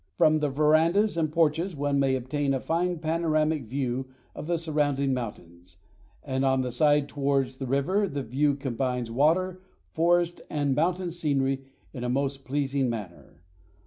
From the verandas and porches one may obtain a fine panoramic view of the surrounding mountains, and on the side towards the river the view combines water, forest, and mountain scenery in a most pleasing manner.